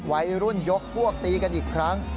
วัยรุ่นยกพวกตีกันอีกครั้ง